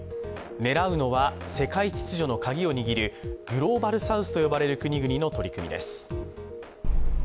狙うのは、世界秩序のカギを握るグローバルサウスと呼ばれる国々の取り込みです。